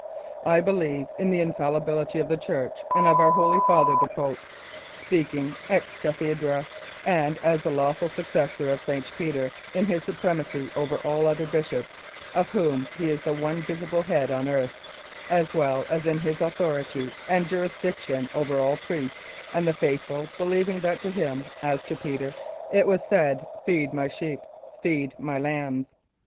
"I believe in the infallibility of the Church and of Our Holy Father the Pope, speaking ex Cathedra and as the lawful successor of Saint Peter, in his supremacy over all other bishops of whom he is the One Visible Head on earth, as well as in his authority and jurisdiction over all priests and the faithful, believing that to him, as to Peter, it was said, ' Feed my sheep : feed my lambs.